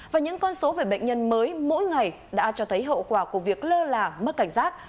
và những con số về bệnh nhân mới mỗi ngày đã cho thấy hậu quả của việc lơ là mất cảnh giác